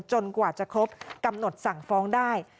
กว่าจะครบกำหนดสั่งฟ้องได้